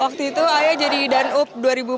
waktu itu ayah jadi dan up dua ribu empat belas